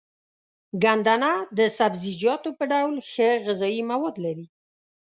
ګندنه د سبزيجاتو په ډول ښه غذايي مواد لري.